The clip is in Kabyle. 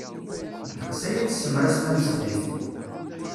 Ddeqs aya i nesemras tameslayt.